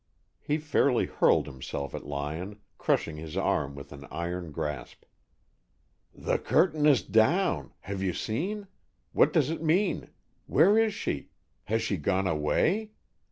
He fairly hurled himself at Lyon, crushing his arm with an iron grasp. "The curtain is down, have you seen? What does it mean? Where is she? Has she gone away?